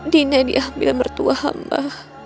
dina diambil mertua hamba